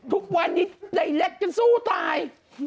ทุกวันนี้ใดแรกจะสู้ตาย